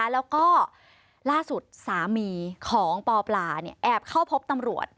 แล้วก็ล่าสุดสามีของปปลาแอบเข้าพบตำรวจ